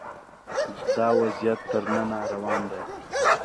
دا وضعیت تر ننه روان دی